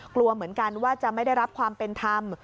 กลัวเหมือนกันว่าจะไม่ได้รับความเป็นธรรม